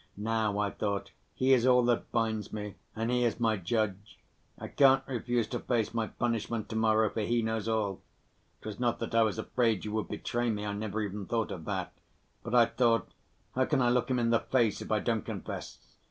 Now, I thought, he is all that binds me, and he is my judge. I can't refuse to face my punishment to‐morrow, for he knows all. It was not that I was afraid you would betray me (I never even thought of that), but I thought, 'How can I look him in the face if I don't confess?